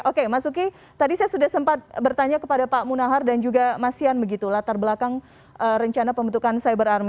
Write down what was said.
oke mas uki tadi saya sudah sempat bertanya kepada pak munahar dan juga mas yan begitu latar belakang rencana pembentukan cyber army